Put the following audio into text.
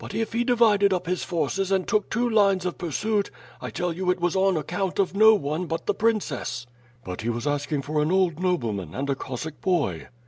if he divided up his forces and took two lines of pursuit I tell you it was on account of no one but the princess." "But he was asking for an old nobleman, and a Cossack boy."